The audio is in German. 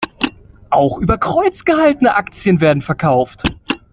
Auch über Kreuz gehaltene Aktien werden verkauft.